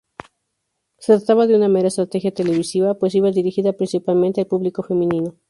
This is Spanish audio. Se trataba de una mera estrategia televisiva, pues iba dirigida principalmente al público femenino.